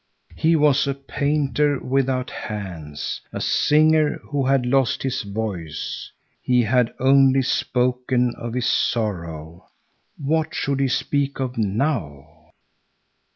He was a painter without hands, a singer who had lost his voice. He had only spoken of his sorrow. What should he speak of now?